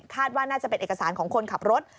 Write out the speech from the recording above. ว่าน่าจะเป็นเอกสารของคนขับรถ